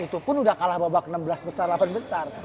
itu pun udah kalah babak enam belas besar delapan besar